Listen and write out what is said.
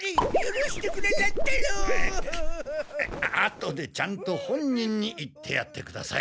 後でちゃんと本人に言ってやってください。